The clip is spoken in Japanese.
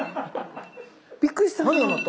びっくりした。